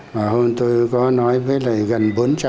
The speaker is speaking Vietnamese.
mà hôm tôi có nói với gần bốn trăm linh anh chị em đảng viên trẻ đấy